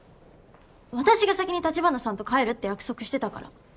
私が先に橘さんと帰るって約束してたから。